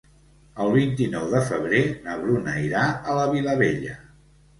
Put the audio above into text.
El vint-i-nou de febrer na Bruna irà a la Vilavella.